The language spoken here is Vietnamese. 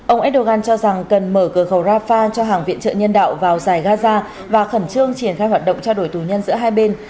ông erdogan cho rằng cần mở cửa khẩu rafah cho hàng viện trợ nhân đạo vào dài gaza và khẩn trương triển khai hoạt động trao đổi tù nhân giữa hai bên